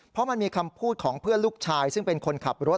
เพราะมันมีคำพูดของเพื่อนลูกชายซึ่งเป็นคนขับรถ